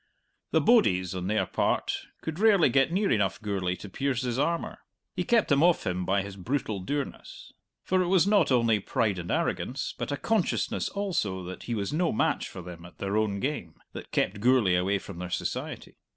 The "bodies," on their part, could rarely get near enough Gourlay to pierce his armour; he kept them off him by his brutal dourness. For it was not only pride and arrogance, but a consciousness also that he was no match for them at their own game, that kept Gourlay away from their society.